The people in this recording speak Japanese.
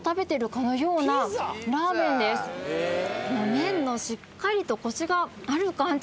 麺のしっかりとコシがある感じ